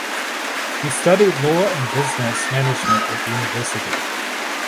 He studied law and business management at university.